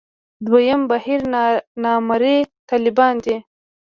دویم بهیر نامرئي طالبان دي.